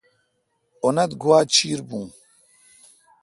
اونتھ گوا چیر بھون۔